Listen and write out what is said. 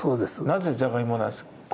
なぜじゃがいもなんですか？